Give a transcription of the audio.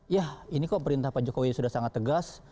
ya ini kok perintah pak jokowi sudah sangat tegas